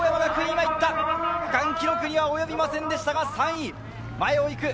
区間記録には及びませんでしたが３位。